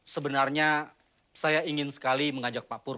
sebenarnya saya ingin sekali mengajak pak purwo